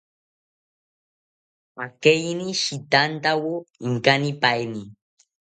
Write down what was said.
Akeinishitantawo inkanipaeni